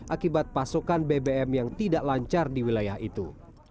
akibat pasokan bbm yang tidak lancar di wilayah itu